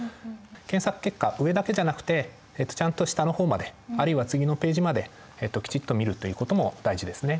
検索結果上だけじゃなくてちゃんと下の方まであるいは次のページまできちっと見るということも大事ですね。